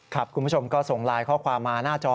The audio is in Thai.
คุณผู้ชมก็ส่งไลน์ข้อความมาหน้าจอ